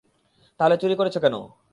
তাহলে চুরি করেছো কেন?